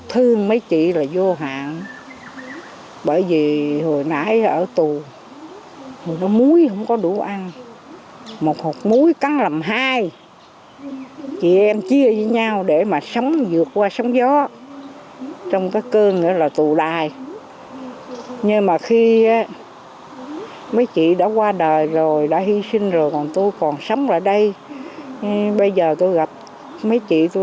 hãy đăng ký kênh để ủng hộ kênh của chúng mình nhé